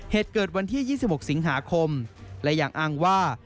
เหตุเกิดวันที่๒๖สิงหาคมและยังอ้างว่า